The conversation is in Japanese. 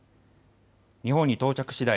日本に到着しだい